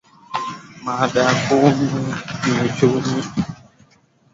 Mada kuu ni Uchumi wa Buluu kwa Maendeleo ya Kijamii na Kiuchumi